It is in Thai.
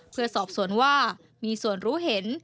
เพื่อสอบสวนว่ามีส่วนรู้เห็น